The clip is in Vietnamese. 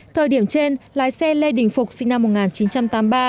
thời điểm trên lái xe lê đình phục sinh năm một nghìn chín trăm tám mươi ba